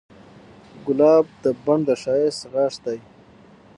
ګلاب د بڼ د ښایست غاښ دی.